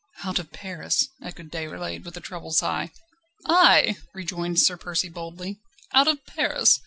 "Out of Paris!" echoed Déroulède, with a troubled sigh. "Aye!" rejoined Sir Percy boldly; "out of Paris!